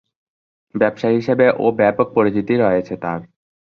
ব্যবসায়ী হিসেবে ও ব্যাপক পরিচিতি রয়েছে তার।